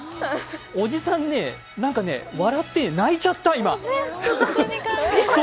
おじさんね、なんかね、笑って泣いちゃった、今。